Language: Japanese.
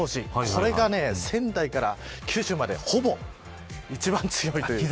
これが仙台から九州までほぼ一番強いという。